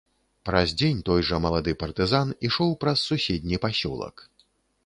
Праз дзень той жа малады партызан ішоў праз суседні пасёлак.